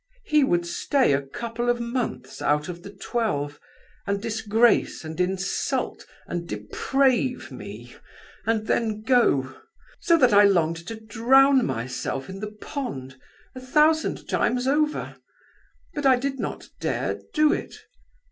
He would stay a couple of months out of the twelve, and disgrace and insult and deprave me, and then go; so that I longed to drown myself in the pond a thousand times over; but I did not dare do it.